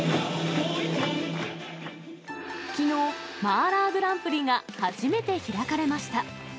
きのう、麻辣グランプリが初めて開かれました。